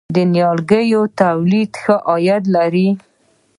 د نیالګیو تولید ښه عاید لري؟